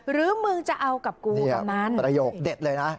หรือมึงจะเอากับกูประโยคเด็ดเลยนะ